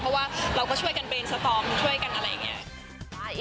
เพราะว่าเราก็ช่วยกันเรนสตอมช่วยกันอะไรอย่างนี้